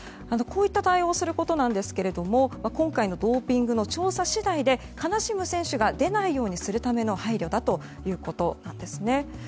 こうした対応をすることなんですが今回のドーピングの調査次第で悲しむ選手が出ないようにするための配慮だということです。